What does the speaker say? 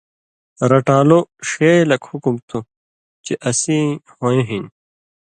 رٹان٘لو ݜے لک حُکُم تُھو چے اسیں ہُوئیں ہِن